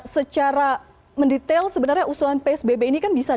secara mendetail sebenarnya usulan psbb ini kan bisa